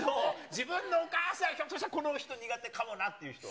自分のお母さん、ひょっとしたら、この人苦手かもなっていうのは。